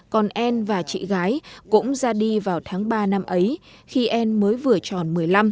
còn anne và chị gái cũng ra đi vào tháng ba năm ấy khi anne mới vừa chọn một mươi năm